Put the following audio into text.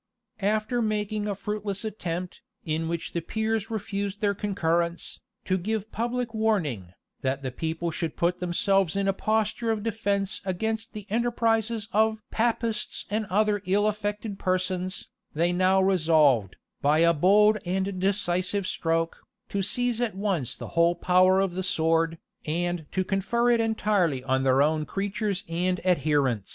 After making a fruitless attempt, in which the peers refused their concurrence, to give public warning, that the people should put themselves in a posture of defence against the enterprises of "Papists and other ill affected persons,"[] they now resolved, by a bold and decisive stroke, to seize at once the whole power of the sword, and to confer it entirely on their own creatures and adherents.